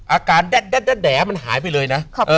อากาศแดมันหายไปเลยนะ